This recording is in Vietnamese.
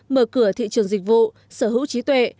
mở cửa thị trường dịch vụ sở hữu trí tuệ